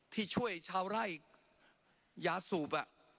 ที่ช่วยชาวไร่ยาสูบ